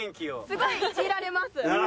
すごいいじられます。